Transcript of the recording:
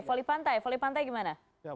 volley pantai volley pantai bagaimana